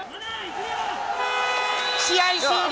試合終了！